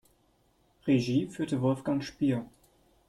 Regie führte Wolfgang Spier.